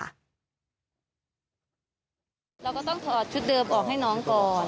เราก็ต้องถอดชุดเดิมออกให้น้องก่อน